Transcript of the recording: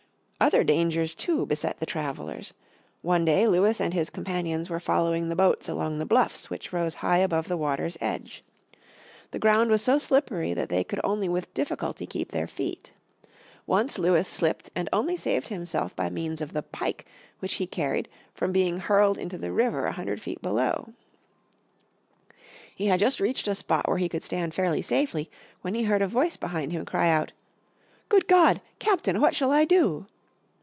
Other dangers, too, beset the travelers. One day Lewis and his companions were following the boats along the bluffs which rose high above the water's edge. The ground was so slippery that they could only with difficulty keep their feet. Once Lewis slipped and only saved himself by means of the pike which he carried from being hurled into the river a hundred feet below. He had just reached a spot where he could stand fairly safely when he heard a voice behind him cry out: "Good God! Captain, what shall I do?"